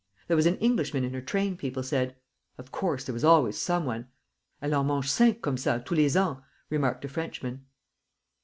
There was an Englishman in her train, people said. Of course, there was always some one elle en mange cinq comme ça tous les ans, remarked a Frenchman.